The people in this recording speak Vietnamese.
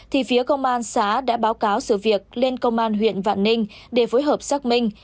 thì phía công an xã đã báo cáo sự việc lên công an huyện vạn ninh để phối hợp xác minh